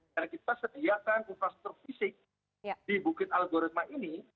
dan kita sediakan investor fisik di bukit algoritma ini